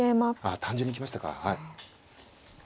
ああ単純に行きましたかはい。